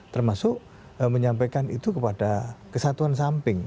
termasuk menyampaikan itu kepada kesatuan samping